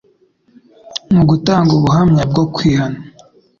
Mu gutanga ubuhamya bwo kwihana,